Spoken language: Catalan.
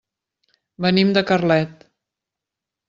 Venim de Carlet.